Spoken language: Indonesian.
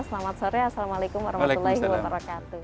selamat sore assalamualaikum wr wb